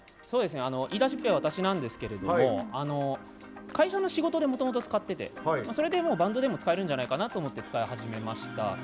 言いだしっぺは私なんですけど会社の仕事でもともと使っててそれで、バンドでも使えるんじゃないかなと思って使い始めました。